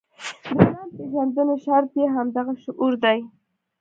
د ځان پېژندنې شرط یې همدغه شعور دی.